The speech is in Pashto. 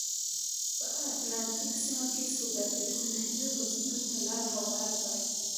په اتلانتیک سیمه کې سوداګرۍ نویو بنسټونو ته لار هواره کړه.